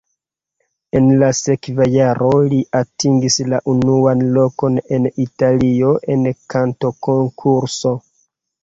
En la sekva jaro li atingis la unuan lokon en Italio en kantokonkurso.